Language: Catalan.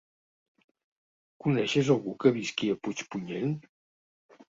Coneixes algú que visqui a Puigpunyent?